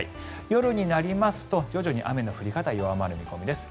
夜になりますと徐々に雨の降り方は弱まる見込みです。